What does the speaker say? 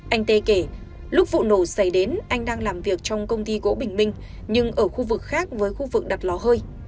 anh tê kể lúc vụ nổ xảy đến anh đang làm việc trong công ty gỗ bình minh nhưng ở khu vực khác với khu vực đặt lò hơi